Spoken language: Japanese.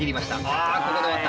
あここで終わった。